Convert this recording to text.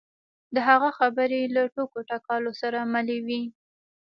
د هغه خبرې له ټوکو ټکالو سره ملې وې.